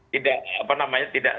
tidak apa namanya